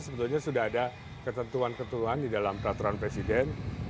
sebetulnya sudah ada ketentuan ketentuan di dalam peraturan presiden